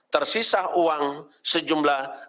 tersisa uang sejumlah